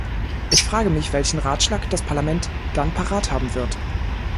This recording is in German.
Ich frage mich, welchen Ratschlag das Parlament dann parat haben wird.